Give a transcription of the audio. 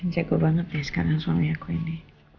jago banget ya sekarang suami aku ini